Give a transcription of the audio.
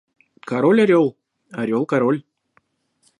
Король орёл – орёл король.